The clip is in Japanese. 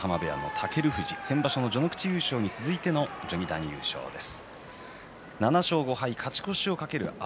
先場所の序ノ口優勝に続いての序二段優勝です。